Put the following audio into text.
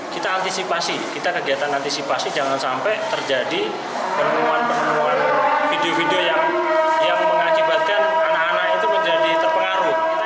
kita antisipasi kita kegiatan antisipasi jangan sampai terjadi penemuan penemuan video video yang mengakibatkan anak anak itu menjadi terpengaruh